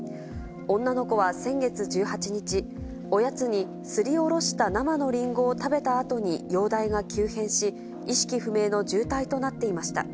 女の子は先月１８日、おやつにすりおろした生のりんごを食べたあとに容体が急変し、意識不明の重体となっていました。